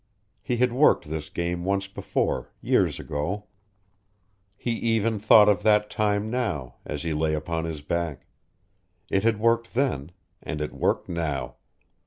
He had worked this game once before, years ago. He even thought of that time now, as he lay upon his back. It had worked then, and it worked now.